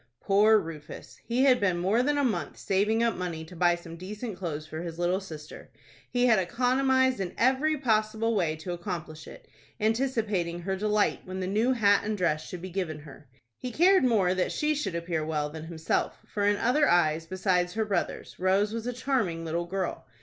Poor Rufus! He had been more than a month saving up money to buy some decent clothes for his little sister. He had economized in every possible way to accomplish it, anticipating her delight when the new hat and dress should be given her. He cared more that she should appear well than himself, for in other eyes, besides her brother's, Rose was a charming little girl.